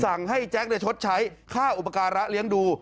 สั่งให้แจ๊คชดใช้ค่าอุปการะเลี้ยงดู